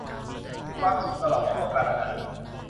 มีความสุขตลอดชั่วกาลนาน